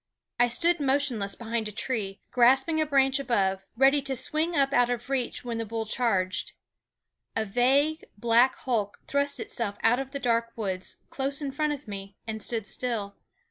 I stood motionless behind a tree, grasping a branch above, ready to swing up out of reach when the bull charged. A vague black hulk thrust itself out of the dark woods, close in front of me, and stood still.